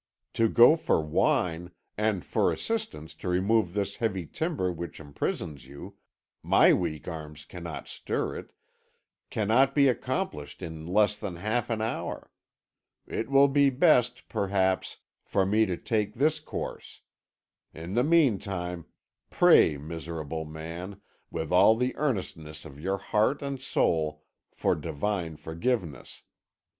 To go for wine, and for assistance to remove this heavy timber which imprisons you my weak arms cannot stir it cannot be accomplished in less than half an hour. It will be best, perhaps, for me to take this course; in the meantime, pray, miserable man, with all the earnestness of your heart and soul, for Divine forgiveness.